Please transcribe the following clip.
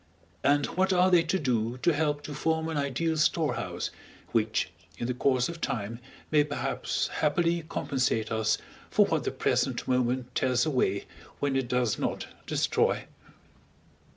And what are they to do to help to form an ideal storehouse, which in the course of time may perhaps happily compensate us for what the present moment tears away when it does not destroy?